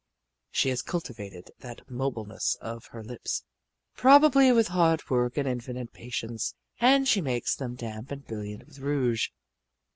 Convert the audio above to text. She has cultivated that mobileness of her lips, probably with hard work and infinite patience and she makes them damp and brilliant with rouge.